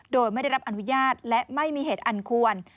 โดยไม่ได้รับอนุญาตและไม่มีเหตุอันควร